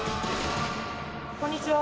こんにちは。